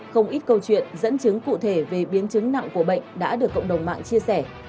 không ít câu chuyện dẫn chứng cụ thể về biến chứng nặng của bệnh đã được cộng đồng mạng chia sẻ